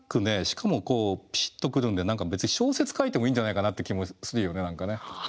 しかもこうピシッとくるんで別に小説書いてもいいんじゃないかなって気もするよね何かね。